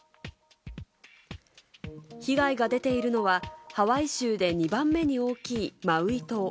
被害が出ているのは、ハワイ州で２番目に大きいマウイ島。